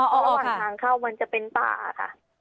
ระหว่างทางเข้ามันจะเป็นป้าค่ะ